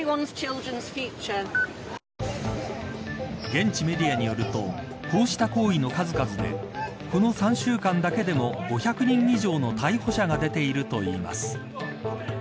現地メディアによるとこうした行為の数々でこの３週間だけでも５００人以上の逮捕者が出ているといいます。